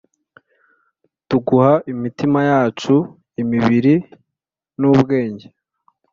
Tuguha imitima yacu imibiri n’ubwenge